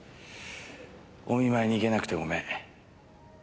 お見舞いに行けなくてごめん。